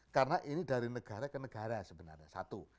karena ini dari negara ke negara sebenarnya